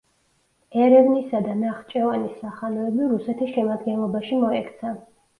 ერევნისა და ნახჭევანის სახანოები რუსეთის შემადგენლობაში მოექცა.